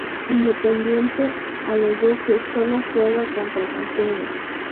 Independiente alegó que "Solo juega contra campeones.